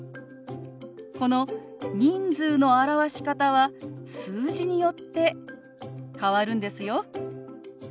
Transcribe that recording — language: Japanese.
この人数の表し方は数字によって変わるんですよ。